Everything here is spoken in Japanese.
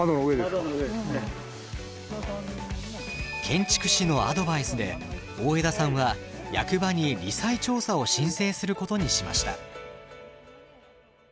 建築士のアドバイスで大枝さんは役場にり災調査を申請することにしました。